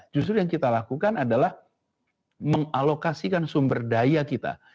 justru yang kita lakukan adalah mengalokasikan sumber daya kita